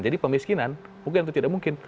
jadi pemiskinan mungkin itu tidak mungkin